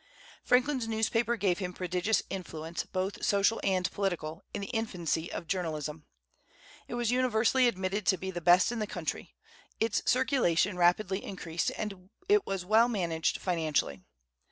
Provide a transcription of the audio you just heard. Franklin's newspaper gave him prodigious influence, both social and political, in the infancy of journalism. It was universally admitted to be the best in the country. Its circulation rapidly increased, and it was well managed financially.